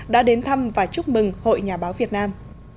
đã đến thăm và chúc mừng hội nhà báo việt nam